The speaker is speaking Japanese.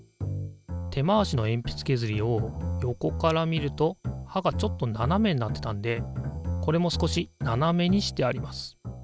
手回しのえんぴつけずりを横から見るとはがちょっとななめになってたんでこれも少しななめにしてあります。